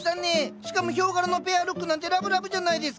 しかもヒョウ柄のペアルックなんてラブラブじゃないですか。